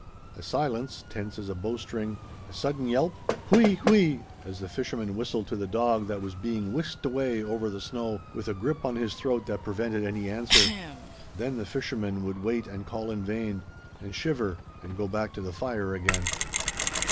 A silence, tense as a bowstring; a sudden yelp Hui hui, as the fisherman whistled to the dog that was being whisked away over the snow with a grip on his throat that prevented any answer; then the fisherman would wait and call in vain, and shiver, and go back to the fire again.